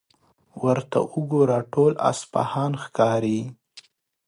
ورته وګوره، ټول اصفهان ښکاري.